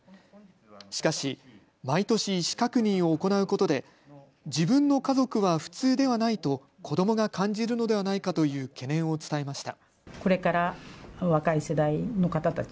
しかし毎年、意思確認を行うことで自分の家族は普通ではないと子どもが感じるのではないかという懸念を伝えました。